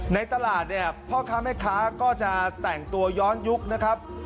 ในตลาดแต่ก็จะแต่งตัวย้อนยุคน่ะครับ